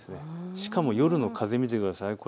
しかも夜の風を見てください。